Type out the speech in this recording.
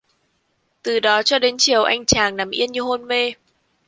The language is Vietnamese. Từ đó cho đến chiều anh chàng nằm yên như hôn mê